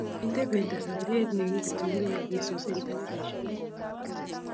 Nden pendo sapuriet ne mi kitunguyot ak ii suus eng' tagigosyek muut.